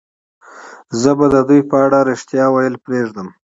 زه به د دوی په اړه رښتیا ویل پرېږدم